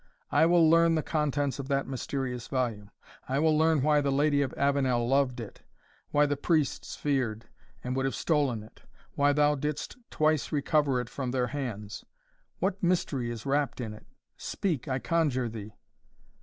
I will learn the contents of that mysterious volume I will learn why the Lady of Avenel loved it why the priests feared, and would have stolen it why thou didst twice recover it from their hands. What mystery is wrapt in it? Speak, I conjure thee!"